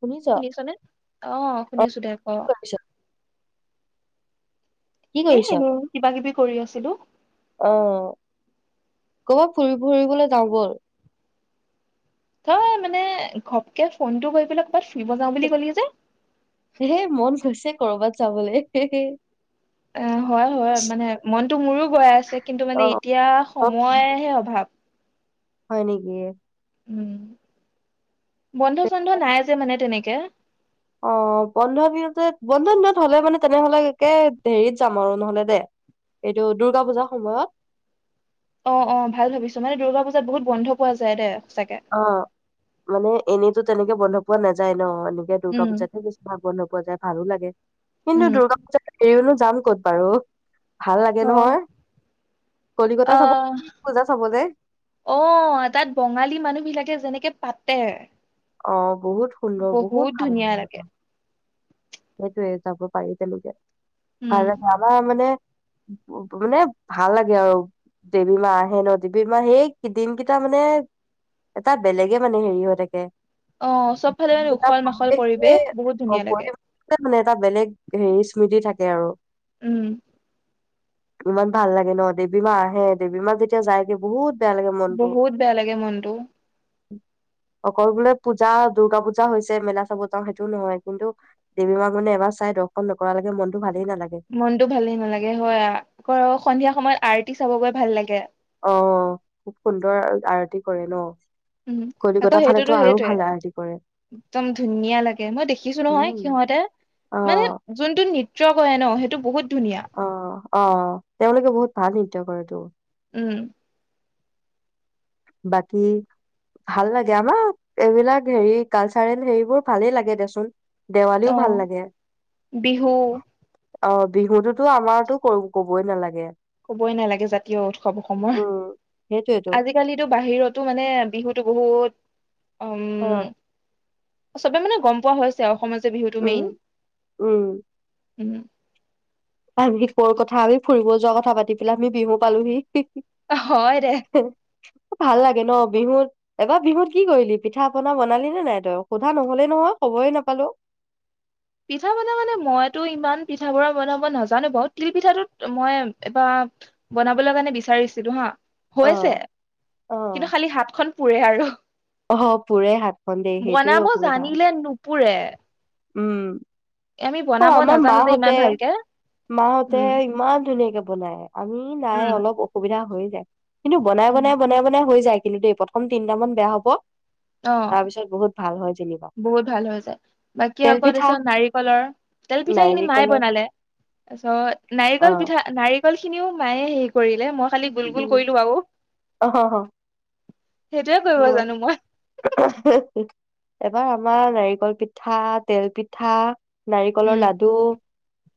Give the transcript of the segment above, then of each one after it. শুনিছ? শুনিছনে? অ', শুনিছোঁ দে ক কি কৰিছ? কি এ, কৰিছ? এনে কিবা কিবি কৰি আছিলোঁ। অ' কৰ'বাত ফুৰি, ফুৰিবলৈ যাওঁ ব'ল। তই মানে ঘপকে ফোনটো কৰি পেলাই ক'ৰবাত ফুৰিব যাওঁ বুলি ক'লি যে? হে, মন গৈছে ক'ৰবাত যাবলে। অ', হয়, হয় মানে মনটো মোৰো গৈ আছে কিন্তু মানে অ' এতিয়া অ, সময়হে অভাৱ। হয়, নেকি? উম। বন্ধ চন্ধ নাই যে, মানে তেনেক কে অ', বন্ধ দিনতে বন্ধ দিনত হ'লে মানে তেনেহ'লে একে হেৰিত যাম আৰু নহ'লে দে এইটো দুৰ্গা পূজাৰ সময়ত। অ', অ', ভাল ভাবিছ মানে দুৰ্গা পূজাত বহুত বন্ধ পোৱা যায় দে। সঁচাকে। অ', মানে এনেইতো তেনেকে বন্ধ পোৱা নাযায় ন এতিয়া দুৰ্গা উম পূজাতহে বেছি ভাল বন্ধ বজায় ভালো লাগে। কিন্তু উম। দুৰ্গা পূজা এৰিনো যাম ক'ত বাৰু। ভাল লাগে অ', নহয়। কলিকতা চাব অহ, পূজা চাবলে অহ, তাত বঙালী মানুহ বিলাকে যেনেকে পাতে অ'। বহুত সুন্দৰ বহুত ভাল লাগে। সেইটোৱে যাব পাৰি তেওঁলোকে। উম। ভাল যাবা মানে মানে ভাল লাগে আৰু দেৱী মা আহে ন' দেৱী মাহ সেই দিন কেইটা মানে এটা বেলেগে মানে হেৰি হৈ থাকে। অ', চবফালে মানে এটা উখল-মাখল পৰিৱেশটোৱে পৰিৱেশ, বহুত অ ধুনীয়া লাগে। পৰিৱেশটোৱে মানে এটা বেলেগ হেৰি স্মৃতি থাকে আৰু। উম। ইমান ভাল লাগে ন' দেৱী মা আহে দেৱী মা যেতিয়া যায়গে বহুত বেয়া লাগে বহুত বেয়া লাগে মনটো। অ'। সকলোলে পূজা দূৰ্গা পূজা হৈছে মেলা চাব যাওঁ সেইটোও নহয় কিন্তু দেৱী মা মানে এবাৰ চাই দৰ্শন নকৰা লকে মনতটো ভাল মনটো ভালেই নালাগে হয় আক সন্ধিয়া সময়ত আৰ আৰতি চাব গৈ ভাল লাগে। অ খুব সুন্দৰ আৰতি কৰে ন। উম আকৌ কলিকতা ফালেতো সেইটোতো আৰু সেইটয়ে ভাল আৰটি কৰে। একদম ধুনীয়া লাগে মই দেখিছোঁ নহয় উম, সিহঁতে অ মানে যোনটো নৃত্য টোও হয় ন সেইটো বহুত ধুনীয়া অ আহ তেওঁলোকে বহুত ভাল নৃত্য কৰে তো উম বাকী ভাল লাগে আমাক এইবিলাক হেৰি কালচাৰেল হেৰিবোৰ ভালেই লাগে দেচোন দেৱালীও অ ভাল লাগে বিহু অ বিহুটোতো আমাৰতো ক কবই নালাগে। ক'বই নালাগে জাতীয় উৎসৱ অসমৰ উম সেইটোয়েতো আজিকালি কিন্তু বাহিৰতো মানে বিহুতো বহুত। অ উম চবে মানে গম পোৱা হৈছে আৰু অসমত। যে বিহুটো উম মেইন উম উম আমি কৰ কথা আমি ফুৰিব যোৱা কথা পাতি পেলাই আমি বিহু পালোহি হয় দে ভাল লাগে ন বিহুত এইবাৰ বিহুত কি কৰিলি পিঠা পনা বনালি নে নাই তই সোধা নহলেই নহয় খবৰে নাপালো। পিঠা পনা মানে মইতো ইমান পিঠ পনা বনাব নাজানো বাৰু তিল পিঠাটোত মই এবাৰ বনাবলৈ কাৰণে বিচাৰিছিলো হা অ হৈছে কিন্তু খালি হাতখন পুৰে আৰু অ পোৰে হাতখন দেই সেইটোৱে বনাব অসুবিধা জানিলে নুপুৰে উম আমি অ বনাব আমাৰ নাজানো যে ইমান মাহঁতে ভালকে মাহঁতে উম ইমান ধুনীয়াকে বনায়। আমি নাই উম অলপ অসুবিধা হৈ যায়। কিন্তু বনাই উম বনাই বনাই বনাই হৈ যায়। কিন্তু দেই প্ৰথম তিনিটা মান বেয়া হ'ব। কত অ তাৰ পিছত বহুত ভাল হয় জেনি। বহুত ভাল হৈ যায় বাকী আকৌ তাৰপিছত নাৰিকলৰ তেল পিঠা খিনি মায়ে নাৰিকলৰ বনালে তাৰপিছত অ নাৰিকল পিঠা নাৰি কল খিনিও মায়ে হেৰি কৰিলে মই খালি গোল গোল উম কৰিলো আৰু অহ হ সেইটোয়ে কৰিব জানো মই এবাৰ আমাৰ নাৰিকল পিঠা তেল পিঠা নাৰিকলৰ উম লাডু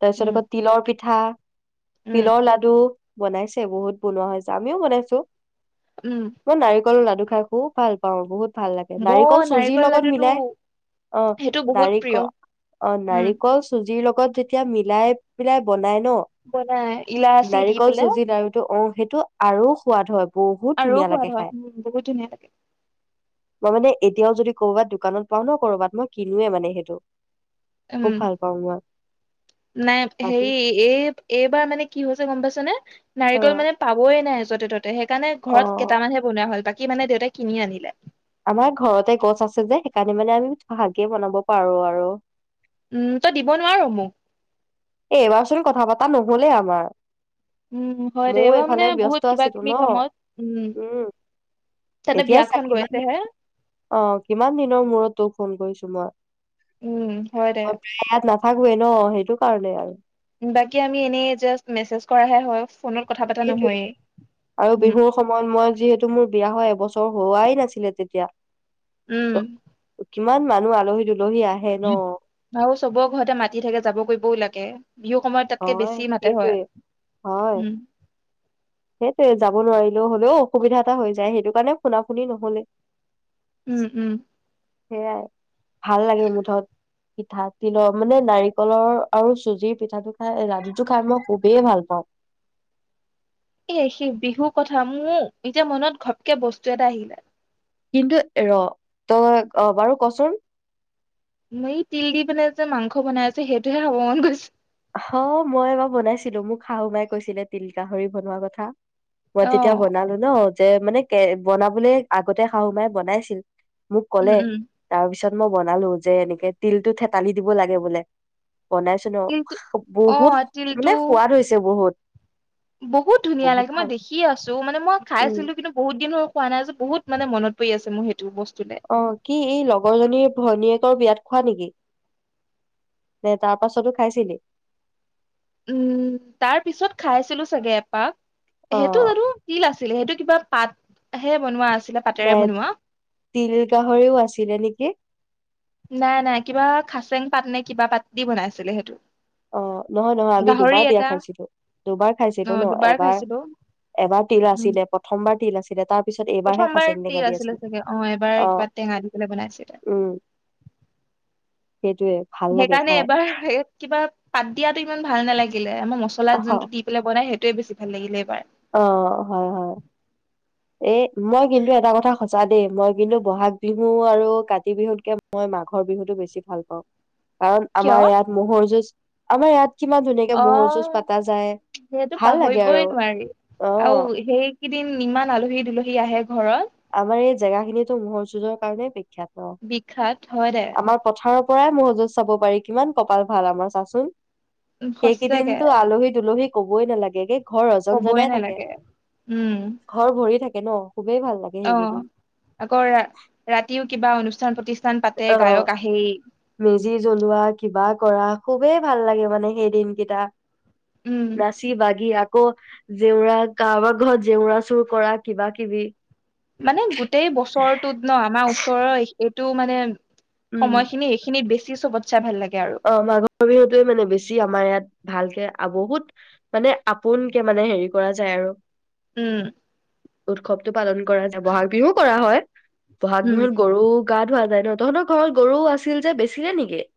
তাৰ পিছত উম আকৌ তিলৰ পিঠ ঠা উম তিলৰ লাডু বনাইছে বহুত বনোৱা হৈছে আমিও বনাইছো উম মই নাৰিকলৰ লাডু খ খু ভাল পাওঁ বহুত ভাল লাগে নাৰিকল মই চুজিৰ লগত লাডুটো মিলাই অ সেইটো বহুত প্ৰিয় নাৰিকল অ উম নাৰিকল চুজিৰ লগত লগত যেতিয়া মিলাই মিলাই বনাই ন বনাই ইলাচি দি নাৰিকল পেলাই চুজি লাৰুটো অঁ সেইটো আৰু সোৱাদ হয় আৰু ধুনীয়া সোৱাদ হয় উম বহুত ধুনীয়া বহুতে এতিয়াও যদি কৰ'বাত দোকানত পাও ন কৰবাত মই কিনোৱে মানে সেইটো উম খুব ভাল পাওঁ মই নাই বাকী হেৰি এই এইবাৰ মানে কি হৈছে গম পাইছনে অ নাৰিকল মানে পাবই নাই য'তে ত সেই কাৰণে অ ঘৰত কেইটামানহে বনোৱা হ'ল কি মানে দেউতাই কিনি আনিলে আমাৰ ঘৰতে গছ আছে যে সেইকাৰণে মানে আমি ভাগেই বনাব পাৰো আৰু উম তই দিব নোৱাৰো মোক এই এইবাৰ চোন কথা পতা নহলেই আমাৰ উম হয় দে ময়ও এইবাৰ মানে এইফালে ব্যস্ত বহুত কিবা আছিলো কিবি ন কামত উম তাতে এতিয়া চা বিয়াখন কিমান গৈছে হে দিনৰ অঁ কিমান দিনৰ মূৰত তোৰ ফোন কৰিছো তোমাৰ উম হয় দে অঁ পয়াত ন নাথাকোৱে ন সেইটো পাতিলা আৰু বাকী আমি এনো যাচ মেজ কৰাহে হয় ফোনত কথা পতা সেইটোটো নহয়েই আৰু উম বিহুৰ সময়ত মই যিহেতু মোৰ বিয়া হয় এবছৰ অঁ হোৱাই নাছিলে তেতিয়া ত কিমান মানুহ আলহী দু উ আৰু চবৰে ঘৰতে মাতি থাকে যাবগৈ বল আৰু এ অঁ হয় সেঁইটোৱে হয় সেইটোৱে হয় উম সেইটোৱে যাব নোৱাৰিছো নহলেও অসুবিধা এটা হৈ যায় সেইটো কাৰণে শুনা শুনি কৈ দিছোঁ উম উম সেয়াই ভাল লাগে মুঠত পিঠা তিলৰ মানে নাৰিকলৰ আৰু চুজিৰ পিঠাটো হ'য়। ৰাতিুটো খাই মই খুবেই ভাল পাওঁ। এ, সেই বিহুৰ কথা। মোৰ এতিয়া মনত ঘপকে বস্তু এটা আহিলে। কিন্তু ৰ'। তই অ' বাৰু কচোন। হেৰি তিল দি পেলাই যে মাংস বনাই যে, সেইটোহে খাব ম'ন গৈছে। অ', ই এবাৰ বনাইছিলো। মোক শাহু মাই কৈছিলে তিল-গাহৰি বনোৱা কথা। মই অ তেতিয়া বনালো নো? যে মানে, কে বনাবলৈ আগতে শাহু মায়ে বনাইছিল। মোক উম ক'লে। উম তাৰপিছত পিছত মই বনালো। যে এনেকে তিলতো থেতালি দিব লাগে বোলে। বনাইছো। কিন্তু অ বহুত, তিলটো মানে সোৱাদ হৈছে বহুত। বহুত ধুনীয়া লাগে। মই দেখিে আছো। মানে মই খাই উম আছিলো, কিন্তু বহুত দিন হ'ল পোৱা নাই যে। বহুত মানে মনত পৰি আছে মোৰ সেইটু অ', কি এই লগৰজনীৰ ভনীয়ে তোৰ বিয়াত খোৱা নেকি? নে তাৰ পাছতো খাইছিলি? উম। তাৰ পিছত খাইছিলো চাগে এপাক। অ সেইটু জানো, তিল আছিলে। সেইটো কিবা পাত হে বনোৱা আছ নাই। তিল গাহৰিও আছিলে নেকি! নাই, নাই। কিবা খাচেং পাত নে কিবা পাত দি বনাইছিলে সেইটো। অ', নহয়, নহয়। আমি গাহৰি দুবাৰ বিয়া এটা খাইছিলো। দুবাৰ অ খাইছিলো নো? দুবাৰ এবাৰ খাইছিলো এবাৰ তিল উম আছিলে। প্ৰথমবাৰ তিল আছিল। তেতিয়া তাত প্ৰথমবাৰ তিল আছিলে চাগে! এবাৰ অ কিবা টেঙা দিপেলে বনাইছিলে। উম সেইটোয়ে ভাল লাগে সেইকাৰণে খাই এবাৰ কিবা পাত দিয়াতো ইমান ভাল নেলাগিল। দে। আমাৰ মছলা অ জুনটো দি পেলাই বনাই, সেই সেই টোৱে বেছি ভাল লাগিলে এইবাৰ। এ, মই কিন্তু এটা কথা সঁচা দেই। মই কিন্তু বহাগ বিহু আৰু কাতি বিহুতকে মই মাঘৰ বিহুতটো বেছি ভাল পাওঁ। কাৰণ কিয় আমাৰ ইয়াত ম'হৰ যুজঁ আমি ইয়াত কিমান ধুনীয়াকে অ ম'হৰ যুজ পাতা যায়। ভাল লাগে আৰু অ আউ, হেই কেইদিন ইমান আলহী দুলহী আহে ঘৰত। আমাৰ এই জেগা খিনিতো মহৰ যুঁজৰ কাৰণে বি বিখ্যাত। হয় দে আমাৰ পথাৰত পৰাই ম'হ যুঁজ চাব পাৰি। কিমান কপাল ভাল আমাৰ চাচোন। সঁচাকে সেইকেইদিনটো আলহী দুলহী ক'বই নালাগে দেই। ঘৰ ৰজন কবই জনাই থাকে। নালাগে উম ঘৰ ভৰি থাকে। কেইন অ'! আকৌ ৰা ৰাতিও কিবা অনুষ্ঠান প্ৰতি অ মেজি জ্বলোৱা, কিবা। কৰা খুবেই ভাল লাগে মানে সেই দিনকেইটা। উম নাচি বাগি আ আকৌ জেউৰা, কাৰবাৰ ঘৰত জেউৰা চুৰ কৰা কিবা- কিবি। মানে গোটেই বছৰটোত ন, আমাৰ ওচৰই! এইটো মানে। উম সময়খিনি এইখিনিত বেছি চবতসে্ ভাল লাগে। আৰু অ মাঘৰ বিহুতয়ে মানে বেছি আমাৰ ইয়াত। ভালকে, বহুত মানে আপোন কে, মানে হেৰি কৰা যায় আৰু। উম উৎসৱটো পালন কৰা যায়। বহাগ বিহু কৰা হয়! বহাগ উম বিহুত গৰু গা ধুৱোৱা যায়। তহঁতৰ ঘৰত গৰুও আছিল যে, বেচিলে নেকি?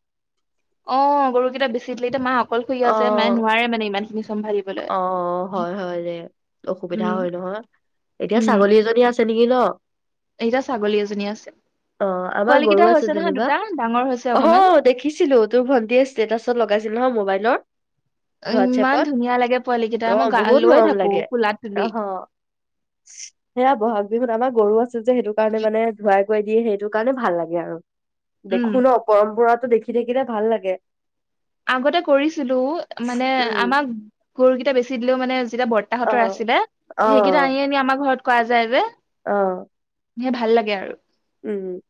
অ গৰুকেইটা বেছি দিলে। এতিয়া মা অ অকলশৰীয়া যে, মায়ে নোৱাৰে মানে ইমান খিনি চম্ভালিবলৈ অ হয়-হয় দে! অসুবিধা উম হয় নহয়। এতিয়া উম ছাগলী এজনী আছে চে নেকি ন? এতিয়া ছাগলী এজনী আছে অঁ। আমাৰ পোৱালি গৰু কেইটা আছে হৈছে নহয় যেনিবা। দুটা ডাঙৰ হৈছে অকমান অঁহহ দেখিছিলো, তোৰ ভন্টিয়ে ষ্টেটাচত লগাইছিল। নহয় মোবাইলত। ই ইমান ধু অ'বহুত মৰম লাগে। কোলাত তুলি অঁহ! সেয়া বহাগ বিহুত, আমাৰ গৰু আছে। টোযে সেইটো কাৰণো মানে ধুৱাই ধোৱাই দিয়ে। সেইটো কাৰণে ভাল লাগে আৰু। উম দেখো ন, পৰম্পৰাত টো দেখি থাকিলে, ভাল লাগে। আগতে কৰিছিলো মানে উম আমাক গুৰকেইটা বেচি দিলেও মানে যেতিয়া অ বৰ্তাহতৰ আছিলে অ সেইকেইটা আনি আনি আমাৰ ঘৰত কোৱা যায় যে অ মোৰ ভাল লাগে আৰু উম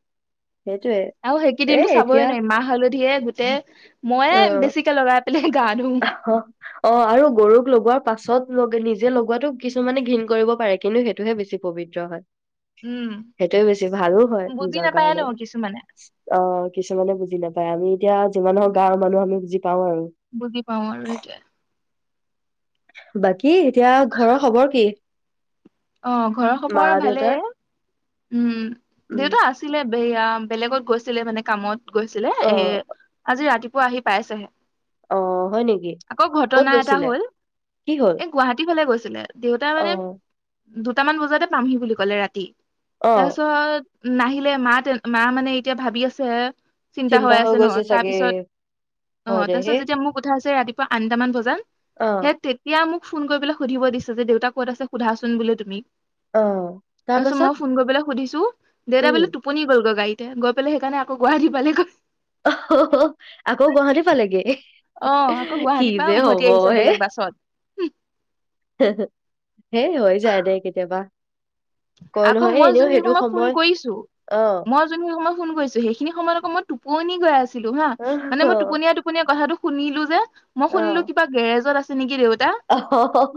সেইটোয়ে আৰু এ সেইকেইদিনো চাবই এতিয়া নাইি মাহ হলে দিয়ে গোতে অ অ অ আৰু গৰুক লগোৱাৰ পাছত লগে নিজ যে লগোৱাাতটো কিছুমানে ঘৃণ কৰিব পাৰে কিন্তু সেইটোহে বেছি পবিত্ৰ হয় উম সেইটোয়ে বেছি ভালো হয় বুজি নিজৰ নাপায় ন কাৰণে কিছুমানে অ কিছুমানে বুজি নাপায় আমি এতিয়া যিমান হওক তাৰ মানে আমি যি। বুজি পাওঁ আৰু সেইটোৱেই। বাট কি এতিয়া ঘৰৰ খবৰ কি? অ ঘৰ মা খবৰ দেউতাৰ ভালেই উম উম দেউতা আছিলে বেয়া বেলেগত গৈছিলে মানে কামত গৈছিলে অ এ আজি ৰাতি আহি পাইছেহে অ হয় নেকি আকৌ ক'ত ঘটনা এটা গৈছিলে হল কি হ'ল এই গুৱাহাটী ফালে গৈছ [unintelligible] দেউতা অ মানে দুটামান বজাতে পামহি বুলি ক'লে ৰাতি অ তাৰ পিছত নাহিলে মা তে মা মানে এতিয়া ভাবি আছে চিন্তা হৈ আছে ন তাৰপিছত অ হয় দে তাৰপিছত সেই যেতিয়া মোক কঠাই আছে ৰাতিপুৱা পোৱা আনটামান ভজান অ সেই তেতিয়া মোক ফোন কৰিেল সুধিব দিছে যে দেউতা ক'ত আছে সোধা। কোন বুলি তুম অ তাৰ পাছত। তু দেউতা উম বোলে টোপনি গলগৈ গাড়ীত তেয়া গৈ পেলাই সেইকাৰণে আকৌ গুৱাহাটী পালেগৈ অ আকৌ গুৱাহাটী পালেগে অ আকৌ কি গুৱাহাটীৰ পৰা যে হ'ব উভতি আহিছে বেলেগ বাছত হে হে হেই হৈ যায় দে কেতিয়াবা কয় আকৌ নহয় এ মই এনেও যোন সেই সেইটো সময়ত ফোন সময় কৰিছো অ মই যোন সেই সময়ত ফোন কৰিছো সেইখিনি সময়ত আকৌ মই টোপনি গৈ আছিলো হা অ মানে মই টোপনীয়াই টোপনিয়াই কথাটো শুনিলো যে মই শুনিলো কিবা গেৰেজত আ নেকি আহ অহ অহ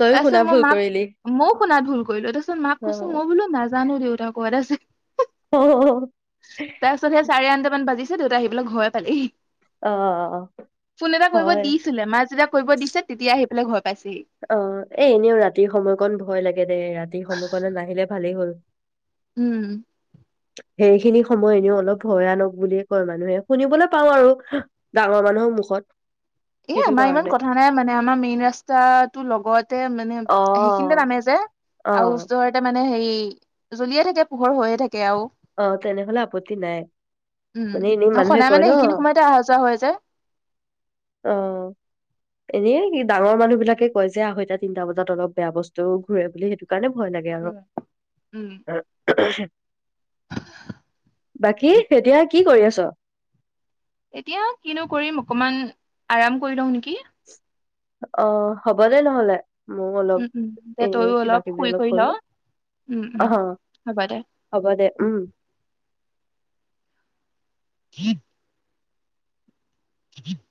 তইও তাৰপিছত শুনা ভুল কৰিলি ত মাক কৈছোঁ অ মই বুলো নাজানোঁ জানো দেউতা কত আছে তাৰপিছত সে চাৰে আঠটা মান বাজিছে দেউতা আহি পেলাই ঘৰে পালেহি অ অ ফোন এটা কৰিব হয় দিছিলে মা যেতিয়া কৰিব দিছে তেতিয়া আহি বেলে ঘৰত অ এ এনেও ৰাতিৰ সময়কণ ভয় লাগে দে ৰাতিৰ সময় কনত নাহিলে ভালেই হ'ল উম সেইখিনি সময় এনেও অলপ ভয়ানক বুলিয়ে কয় মানুহে শুনিবলৈ পাওঁ আৰু ডাঙৰ মানুহৰ মুখত এ সেইটো আমাৰ ইমান কাৰণে কথা নাই মানে আমাৰ মেইন ৰাস্তাটো লগতে মানে অ সেইখিনিতে নামে যে অ আৰু ওচৰতে মানে হেৰি জ্বলিয়ে থাকে পোহৰ হৈয়ে থাকে অ তেনেহলে আপত্তি নাই উম মানে এনেই মানুহে সদায় কয় মানে ন সেইখিনি সময়তে অহা যোৱা হয় যে অ এনেই এই ডাঙৰ মানুহ বিলাকে কয় যে আঢ়ৈ টা তিনটা বজাত অলপ বেয়া বস্তু ঘূৰে বুলি সেইটো কাৰণে ভয় লাগে আৰু উম। উম বাকী এতিয়া কি কৰি আছ এতিয়া কিনো কৰিম অকনমান আৰাম কৰি লওঁ নেকি অ হ'ব দে নহলে মই অলপ উম উম দে এ তইও কিবা কিবি শুই অলপ কৰি ল কৰো উম অ উম হ'ব দে হ'ব দে উম হত [inaudible] [unintelligible]